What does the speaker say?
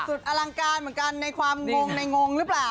อลังการเหมือนกันในความงงในงงหรือเปล่า